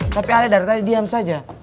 tapi ada dari tadi diam saja